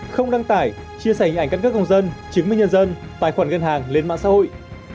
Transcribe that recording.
không đăng tải chia sẻ hình ảnh căn cước công dân chứng minh nhân dân tài khoản ngân hàng lên mạng xã hội